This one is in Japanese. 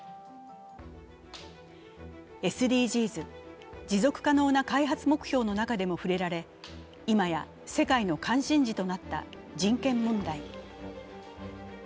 ＳＤＧｓ＝持続可能な開発目標の中でも触れられ、今や世界の関心事となった人権問題。